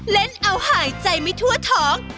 เล่นเอาหายใจไม่ทั่วท้อง